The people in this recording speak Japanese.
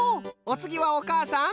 おつぎはおかあさん！